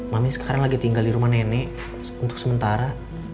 mami sekarang lagi tinggal di rumah nenek untuk sementara